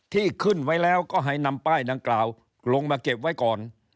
ที่ขึ้นไว้แล้วก็ให้นำป้ายดังกล่าวลงมาเก็บไว้ก่อน